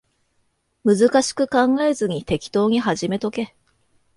難しく考えずに適当に始めとけ